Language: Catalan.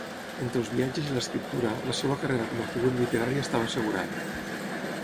Entre els viatges i l'escriptura, la seva carrera com a figura literària estava assegurada.